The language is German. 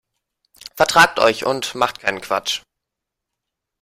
Vertragt euch und macht keinen Quatsch.